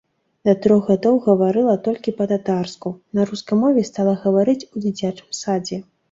Да трох гадоў гаварыла толькі па-татарску, на рускай мове стала гаварыць у дзіцячым садзе.